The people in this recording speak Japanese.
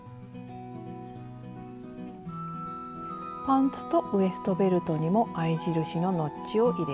パンツとウエストベルトにも合い印のノッチを入れます。